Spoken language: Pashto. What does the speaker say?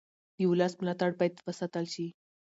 د ولس ملاتړ باید وساتل شي